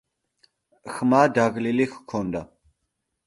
ხმა დაღლილი ჰქონდა.